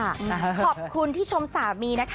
ขอบคุณที่ชมสามีนะคะ